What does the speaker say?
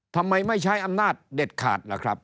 ทำไมไม่ใช้อำนาจเด็ดขาดล่ะครับ